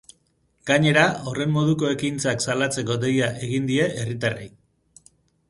Gainera, horren moduko ekintzak salatzeko deia egin die herritarrei.